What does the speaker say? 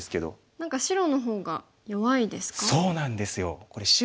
何か白の方が弱いですか？